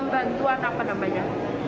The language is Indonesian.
bantuan apa namanya